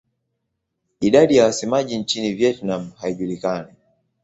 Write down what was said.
Idadi ya wasemaji nchini Vietnam haijulikani.